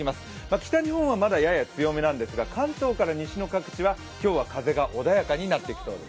北日本はまだやや強めなんですが、関東から西の各地は今日は風が穏やかになってきそうです。